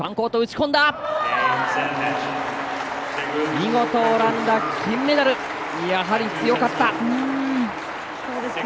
見事、オランダ金メダル！やはり強かった！